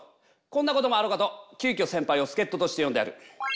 こんなこともあろうかときゅうきょ先輩を助っととして呼んである。